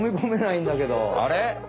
あれ？